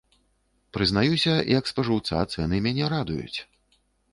Прызнаюся, як спажыўца цэны мяне радуюць.